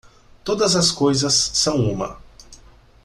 Todas as coisas são uma.